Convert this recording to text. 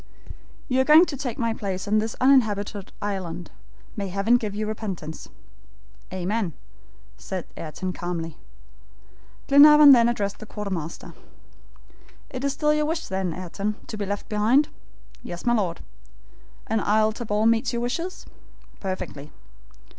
"You are going to take my place on this uninhabited island. May Heaven give you repentance!" "Amen," said Ayrton, calmly. Glenarvan then addressed the quartermaster. "It is still your wish, then, Ayrton, to be left behind?" "Yes, my Lord!" "And Isle Tabor meets your wishes?" "Perfectly."